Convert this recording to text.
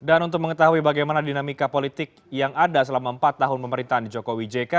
dan untuk mengetahui bagaimana dinamika politik yang ada selama empat tahun pemerintahan jokowi jk